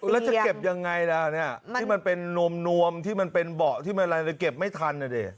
แล้วจะเก็บยังไงล่ะเนี่ยที่มันเป็นนวมที่มันเป็นเบาะที่มันอะไรเก็บไม่ทันนะดิ